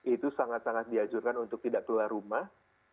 itu sangat sangat diajurkan untuk tidak keluar rumah